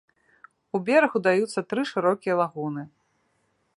У бераг удаюцца тры шырокія лагуны.